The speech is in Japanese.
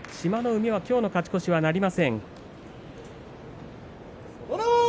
海はきょうの勝ち越しはなりません。